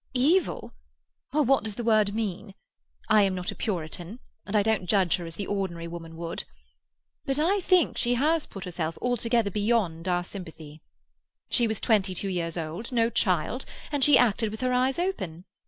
"Evil? Well, what does the word mean? I am not a Puritan, and I don't judge her as the ordinary woman would. But I think she has put herself altogether beyond our sympathy. She was twenty two years old—no child—and she acted with her eyes open.